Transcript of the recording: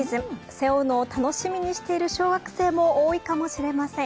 背負うのを楽しみにしている小学生も多いかもしれません。